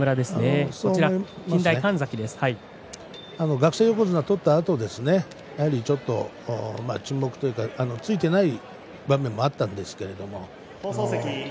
学生横綱を取ったあと沈黙というかついていない場面もあったんです。